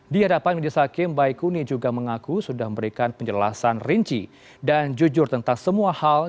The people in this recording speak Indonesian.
di hadapan miris hakim baikuni juga mengaku sudah memberikan penjelasan rinci dan jujur tentang semua hal